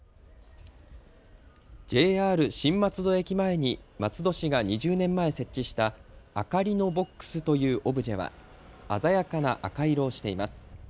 ＪＲ新松戸駅前に松戸市が２０年前設置したあかりのボックスというオブジェは鮮やかな赤色をしています。